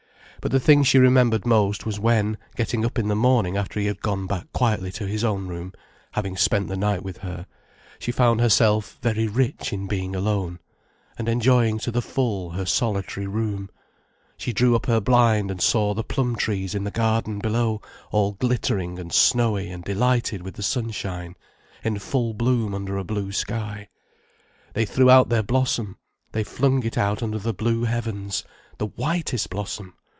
But the thing she remembered most was when, getting up in the morning after he had gone back quietly to his own room, having spent the night with her, she found herself very rich in being alone, and enjoying to the full her solitary room, she drew up her blind and saw the plum trees in the garden below all glittering and snowy and delighted with the sunshine, in full bloom under a blue sky. They threw out their blossom, they flung it out under the blue heavens, the whitest blossom!